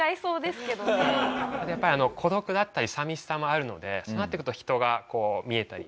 やっぱりあの孤独だったり寂しさもあるのでそうなってくると人が見えたり。